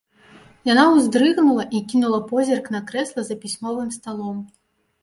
Яна ўздрыгнула і кінула позірк на крэсла за пісьмовым сталом.